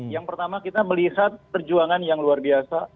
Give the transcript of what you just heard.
yang pertama kita melihat perjuangan yang luar biasa